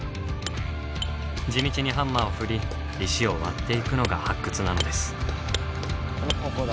地道にハンマーを振り石を割っていくのが発掘なのです。